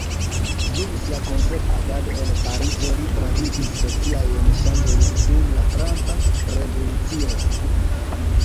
Dum sia koncerta agado en Parizo li travivis sociajn ŝanĝojn dum la franca revolucio.